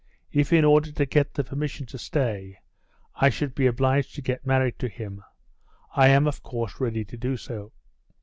If in order to get the permission to stay I should be obliged to get married to him, I am of course ready to do so."